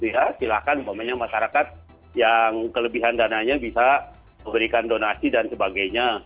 ya silahkan masyarakat yang kelebihan dananya bisa memberikan donasi dan sebagainya